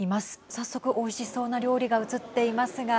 早速、おいしそうな料理が映っていますが。